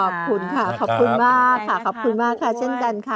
ขอบคุณค่ะขอบคุณมากค่ะขอบคุณมากค่ะเช่นกันค่ะ